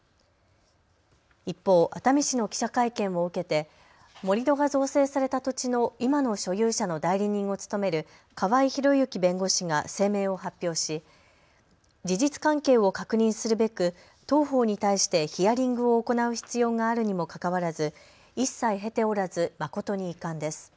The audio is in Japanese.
一方、熱海市の記者会見を受けて盛り土が造成された土地の今の所有者の代理人を務める河合弘之弁護士が声明を発表し、事実関係を確認するべく当方に対してヒアリングを行う必要があるにもかかわらず一切経ておらず誠に遺憾です。